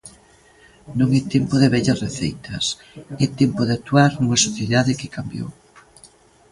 Non é tempo de vellas receitas, é tempo de actuar nunha sociedade que cambiou.